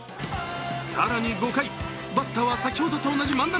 更に５回、バッターは先ほどと同じ万波。